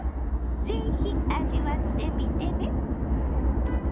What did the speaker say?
是非味わってみてね。